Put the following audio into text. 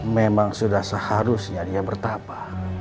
memang sudah seharusnya dia bertapa